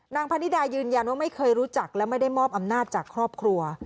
พนิดายืนยันว่าไม่เคยรู้จักและไม่ได้มอบอำนาจจากครอบครัว